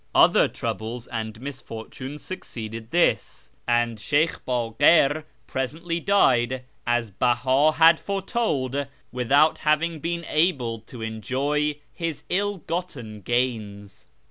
Other troubles and mis fortunes succeeded this, and Sheykh Bdkir presently died, as Beha had foretold, without having been able to enjoy his ill gotten gains.